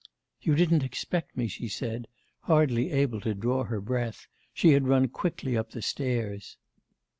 'You didn't expect me?' she said, hardly able to draw her breath, she had run quickly up the stairs.